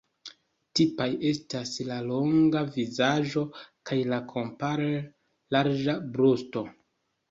Tipaj estas la longa vizaĝo kaj la kompare larĝa brusto.